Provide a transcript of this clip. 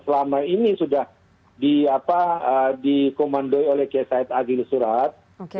selama ini sudah dikomandoi oleh kiai said agil surat